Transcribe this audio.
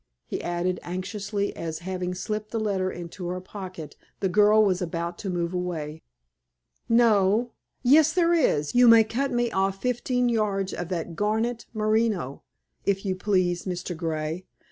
he added, anxiously, as having slipped the letter into her pocket, the girl was about to move away. "No. Yes, there is. You may cut me off fifteen yards of that garnet merino, if you please, Mr. Grey.